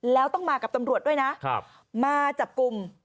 แล้วต้องมากับตำรวจด้วยนะมาจับกลุ่ม